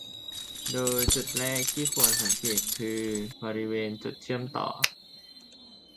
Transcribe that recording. โดยจุดแรกที่ควรสังเกตคือ บริเวณจุดเชื่อมต่อ